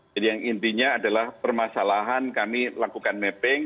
jadi yang intinya adalah permasalahan kami lakukan mapping